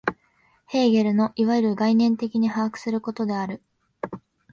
ヘーゲルのいわゆる概念的に把握することである。